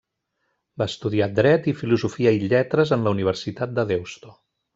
Va estudiar dret i filosofia i lletres en la Universitat de Deusto.